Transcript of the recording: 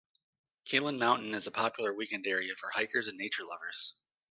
Kalin Mountain is a popular weekend area for hikers and nature lovers.